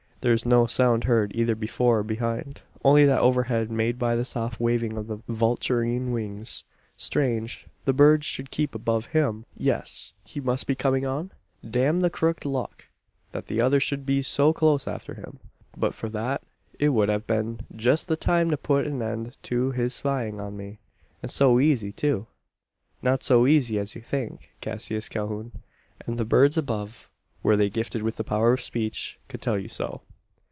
There is no sound heard either before or behind only that overhead made by the soft waving of the vulturine wings. Strange, the birds should keep above him! "Yes he must be coming on? Damn the crooked luck, that the others should be so close after him! But for that, it would have been just the time to put an end to his spying on me! And so easy, too!" Not so easy as you think, Cassius Calhoun; and the birds above were they gifted with the power of speech could tell you so.